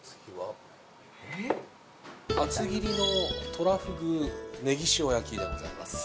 厚切りのトラフグネギ塩焼きでございます。